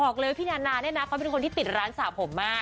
บอกเลยพี่นานาเนี่ยนะเขาเป็นคนที่ติดร้านสระผมมาก